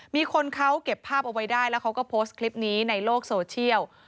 มีคนเขาเก็บภาพเอาไว้ได้แล้วเขาก็โพสต์คลิปนี้ในโลกโซเชียล